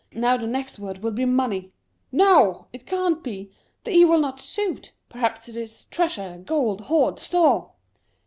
" Now the next word will be money. No ! it can't be, the e will not suit ; perhaps it is treasure, gold, hoard, store."